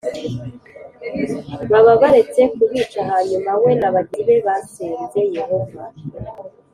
baba baretse kubica Hanyuma we na bagenzi be basenze Yehova